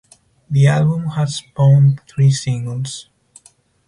The album has spawned three singles.